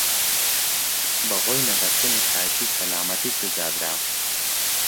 بەهۆی نەبەستنی قایشی سەلامەتی سزا درام.